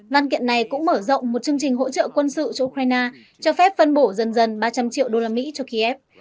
văn kiện này cũng mở rộng một chương trình hỗ trợ quân sự cho ukraine cho phép phân bổ dần dần ba trăm linh triệu usd cho kiev